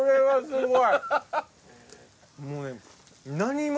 すごい！